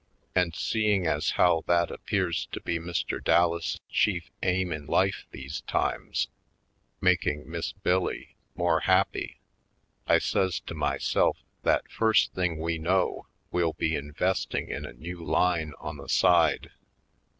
And seeing as how that appears to be Mr. Dallas' chief aim in life these times — making Miss Bill Lee more happy — I says to myself that first thing we know we'll be investing in a new line on the side.